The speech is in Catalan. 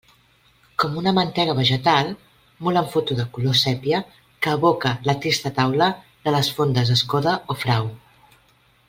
Com una mantega vegetal, molt en foto de color sépia que evoca la trista taula de les fondes Escoda o Frau.